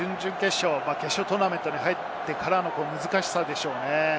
勝決勝トーナメントに入ってからの難しさでしょうね。